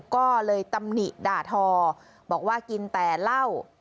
ก็เลยตำหนิด่าทอบอกว่ากินแต่เหล้า